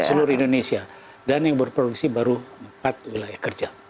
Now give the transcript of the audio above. di seluruh indonesia dan yang berproduksi baru empat wilayah kerja